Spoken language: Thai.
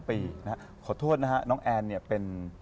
๒๒ปีขอโทษนะฮะน้องแอนเป็น